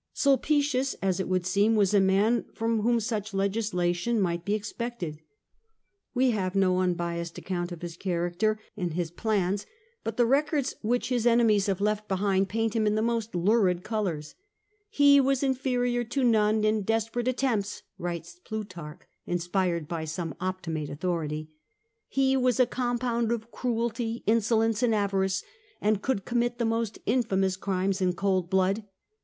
Sulpicius, as it would seem, was a man from whom such legislation might be expected.^ We have no unbiassed account of his character and his plans, but the records ^ Cicero alone speaks well of him in the De Oratore^ H 114 FROM THE GRACCHI TO SULLA whicli his enemies have left behind paint him in the most lurid colours. He was inferior to none in desperate attempts/' writes Plutarch, inspired by some Optimate authority. '^He was a compound of cruelty, insolence, and avarice, and could commit the most infamous crimes in cold blood.